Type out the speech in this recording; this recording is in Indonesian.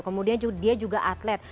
kemudian dia juga atlet